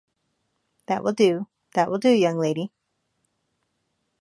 That will do, that will do, young lady.